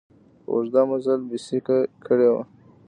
اوږده مزل بېسېکه کړی و.